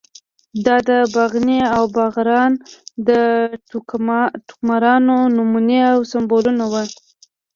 دا د باغني او باغران د ټوکمارو نمونې او سمبولونه وو.